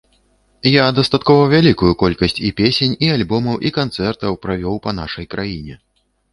Я дастаткова вялікую колькасць і песень, і альбомаў, і канцэртаў правёў па нашай краіне.